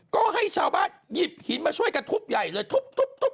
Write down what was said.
ก็ให้ชาวบ้านหยิบหินมาช่วยกันทุบใหญ่เลยทุบ